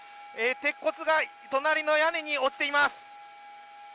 鉄骨が隣の屋根に落ちています。